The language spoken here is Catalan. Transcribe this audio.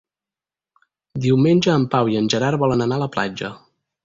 Diumenge en Pau i en Gerard volen anar a la platja.